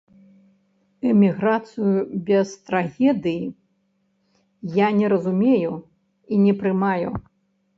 Эміграцыю без трагедыі я не разумею і не прымаю.